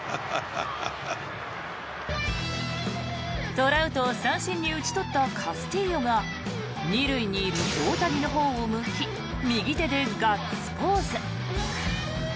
トラウトを三振に打ち取ったカスティーヨが２塁にいる大谷のほうを向き右手でガッツポーズ。